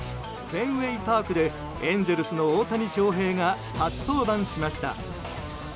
フェンウェイパークでエンゼルスの大谷翔平が初登板しました。